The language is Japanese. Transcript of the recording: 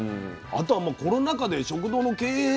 あとはコロナ禍で食堂の経営